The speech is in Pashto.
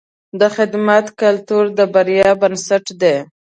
د خدمت کلتور د بریا بنسټ دی.